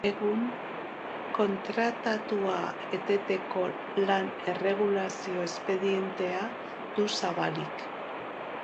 Egun, kontratua eteteko lan-erregulazio espedientea du zabalik.